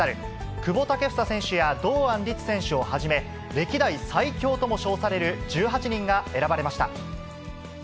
久保建英選手や堂安律選手をはじめ、歴代最強とも称される１８人が選ばれました。